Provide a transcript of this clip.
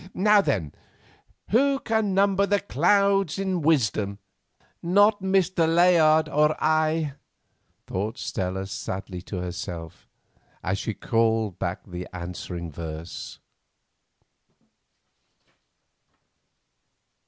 Now then—'Who can number the clouds in wisdom——'" "Not Mr. Layard or I," thought Stella sadly to herself, as she called back the answering verse.